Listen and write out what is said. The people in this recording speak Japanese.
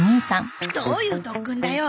どういう特訓だよ！？